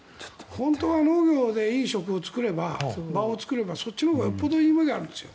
本当は農業でいい職を作れば、場を作ればそっちのほうがよっぽど夢があるんですよ。